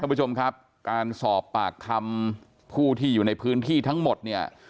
ผู้ชมครับการสอบปากคำผู้ที่อยู่ในพื้นที่ทั้งหมดเนี่ย